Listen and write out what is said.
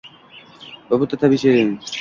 va bu — tabiiy jarayon.